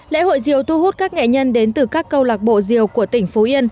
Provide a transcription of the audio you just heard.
lễ hội rìu thu hút các nghệ nhân đến từ các câu lạc bộ rìu của tỉnh phú yên